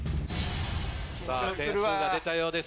点数が出たようです